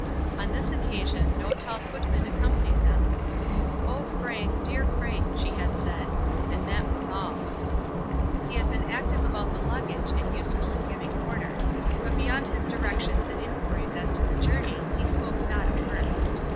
On this occasion no tall footman accompanied them. "Oh, Frank; dear Frank," she had said, and that was all. He had been active about the luggage and useful in giving orders; but beyond his directions and inquiries as to the journey, he spoke not a word.